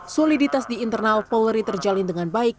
soliditas di internal polri terjalin dengan baik